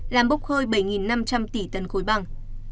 làm bốc hơi bảy năm trăm linh tỷ tấn khối băng